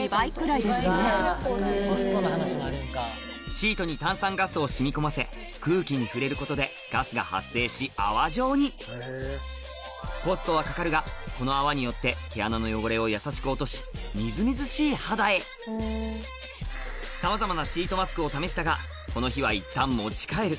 シートに炭酸ガスを染み込ませ空気に触れることでガスが発生し泡状にコストはかかるがこの泡によってさまざまなシートマスクを試したがこの日はいったん持ち帰る